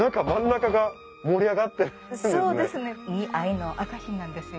そうですね。